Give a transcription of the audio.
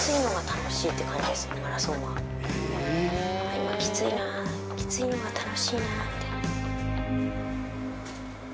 今きついなきついのが楽しいなって。